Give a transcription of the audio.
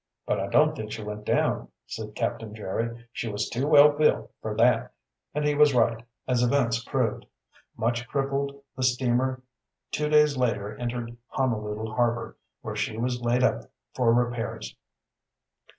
"But I don't think she went down," said Captain Jerry. "She was too well built for that." And he was right, as events proved. Much crippled the steamer two days later entered Honolulu harbor, where she was laid up for repairs.